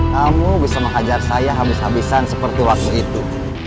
kamu bisa menghajar saya habis habisan seperti waktu itu